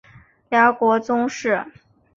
辽国宗室。